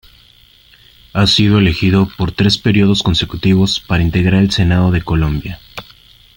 Ha sido elegido por tres periodos consecutivos para integrar el Senado de Colombia.